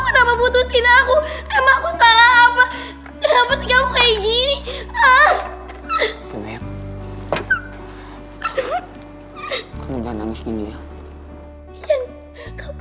kenapa putusin aku emang aku salah apa kenapa sih kamu kayak gini ah